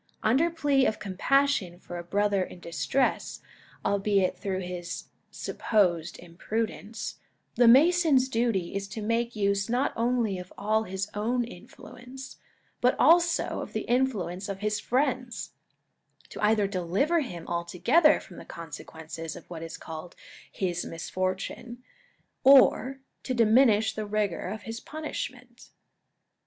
Under plea of compassion for a brother in distress, albeit through his supposed imprudence, the Mason's duty is to make use not only of all his own influence, but also " of the influence of his friends," to either deliver him altogether from the consequences of what is called '^ his misfortune," or " to diminish the rigour of his punishment."